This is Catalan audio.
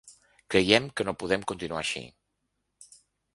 Creiem que no podem continuar així.